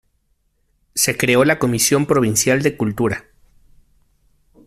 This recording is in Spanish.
Se creó la Comisión Provincial de cultura.